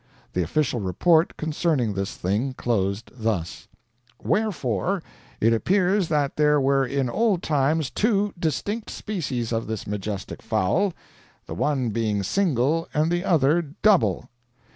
The official report concerning this thing closed thus: "Wherefore it appears that there were in old times two distinct species of this majestic fowl, the one being single and the other double.